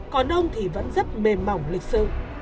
còn ông thì vẫn rất mềm mỏng lịch sự